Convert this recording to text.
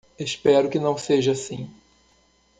Espero que não seja assim.